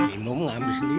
gak minum gak ambil sendiri